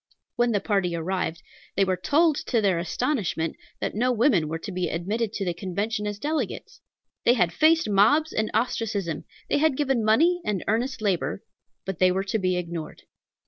When the party arrived, they were told, to their astonishment, that no women were to be admitted to the Convention as delegates. They had faced mobs and ostracism; they had given money and earnest labor, but they were to be ignored.